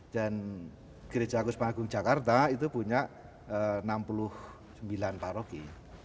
dan gereja agus panggung jakarta itu punya enam puluh sembilan paroki